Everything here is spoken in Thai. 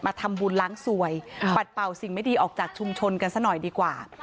ทำบุญล้างสวยปัดเป่าสิ่งไม่ดีออกจากชุมชนกันซะหน่อยดีกว่า